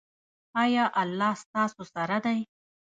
ایا الله ستاسو سره دی؟